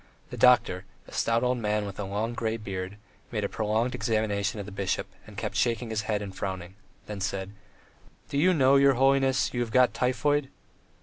The doctor, a stout old man with a long grey beard, made a prolonged examination of the bishop, and kept shaking his head and frowning, then said: "Do you know, your holiness, you have got typhoid?"